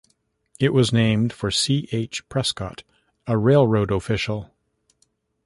It was named for C. H. Prescott, a railroad official.